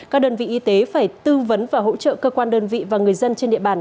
các đơn vị y tế phải tư vấn và hỗ trợ cơ quan đơn vị và người dân trên địa bàn